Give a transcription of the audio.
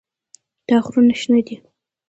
دا غرونه شنه دي.